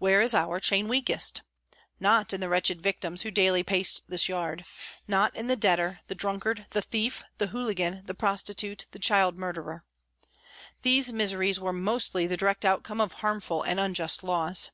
Where is our chain weakest ? Not in the wretched victims who daily paced this yard, not in the debtor, the drunkard, the thief, the hooligan, the prostitute, the child murderer. These miseries were mostly the direct outcome of harmful and unjust laws.